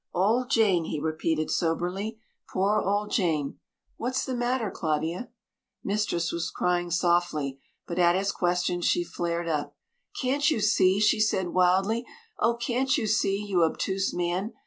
"Old Jane," he repeated soberly. "Poor old Jane what's the matter, Claudia?" Mistress was crying softly, but at his question she flared up. "Can't you see?" she said wildly, "oh! can't you see, you obtuse man?